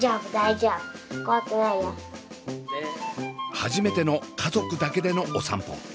初めての家族だけでのお散歩。